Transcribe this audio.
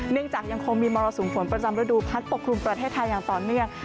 ยังคงมีมรสุมฝนประจำฤดูพัดปกครุมประเทศไทยอย่างต่อเนื่อง